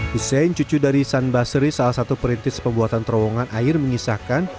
husein cucu dari san basri salah satu perintis pembuatan terowongan air mengisahkan